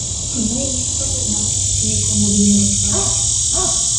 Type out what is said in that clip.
Про неї ніхто не знав і нікому він не розкаже.